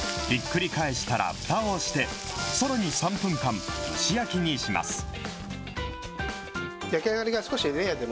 ひっくり返したら、ふたをして、さらに３分間、蒸し焼きにします。